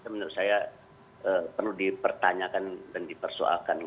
menurut saya perlu dipertanyakan dan dipersoalkan